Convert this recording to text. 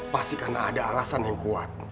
pasti karena ada alasan yang kuat